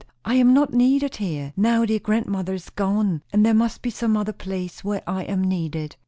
I am not needed here, now dear grandmother is gone; and there must be some other place where I am needed."